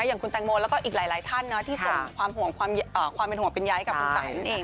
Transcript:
อย่างคุณแตงโมแล้วก็อีกหลายท่านที่ส่งความเป็นห่วงเป็นใยกับคุณตายนั่นเอง